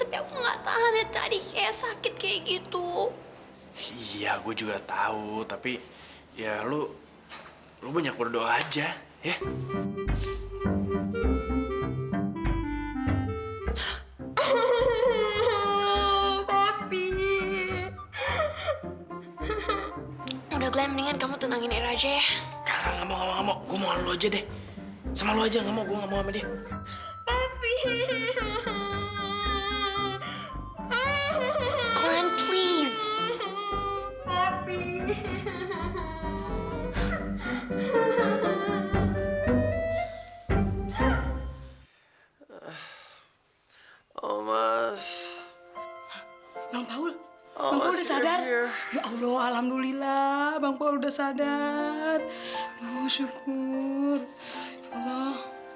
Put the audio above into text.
bang paul udah sadar ya allah alhamdulillah bang paul udah sadar aduh syukur ya allah